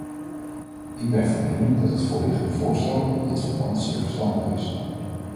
Ik ben van mening dat het voorliggende voorstel in dit verband zeer verstandig is.